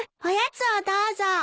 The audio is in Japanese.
おやつをどうぞ。